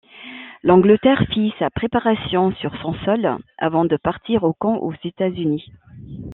L'Angleterre fit sa préparation sur son sol avant de partir en camp aux États-Unis.